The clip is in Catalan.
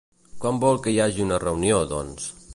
Quan vol que hi hagi una reunió, doncs?